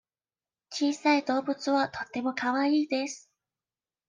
小さい動物はとてもかわいいです。